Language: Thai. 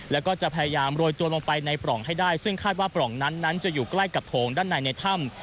แล้วก็จะพยายามโรยตัวลงไปในปล่องให้ได้ซึ่งคาดว่าปล่องนั้นนั้นจะอยู่ใกล้กับโถงด้านในในถ้ำ